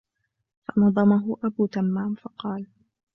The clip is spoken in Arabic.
فَنَظَمَهُ أَبُو تَمَّامٍ فَقَالَ